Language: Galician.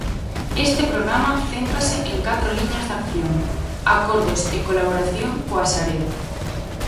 Este programa céntrase en catro liñas de acción: Acordos e colaboración coa Sareb.